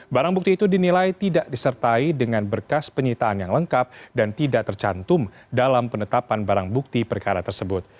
barang bukti itu dinilai tidak disertai dengan berkas penyitaan yang lengkap dan tidak tercantum dalam penetapan barang bukti perkara tersebut